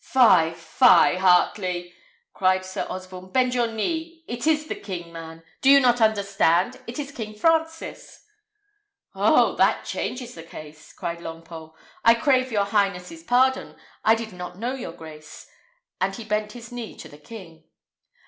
"Fie, fie! Heartley!" cried Sir Osborne; "bend your knee. It is the king, man! Do you not understand? It is King Francis!" "Oh! that changes the case," cried Longpole; "I crave your highness's pardon. I did not know your grace;" and he bent his knee to the king.